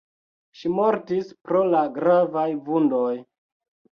Ŝi mortis pro la gravaj vundoj.